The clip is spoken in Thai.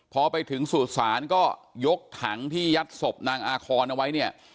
พอไปถึงสู่ศาลก็ยกถังที่ยัดศพนางอาคอนเอาไว้เนี่ย